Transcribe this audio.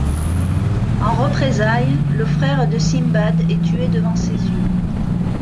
En représailles, le frère de Sinbad est tué devant ses yeux.